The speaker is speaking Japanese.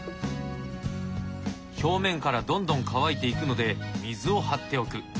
表面からどんどん乾いていくので水を張っておく。